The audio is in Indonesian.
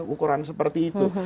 ukuran seperti itu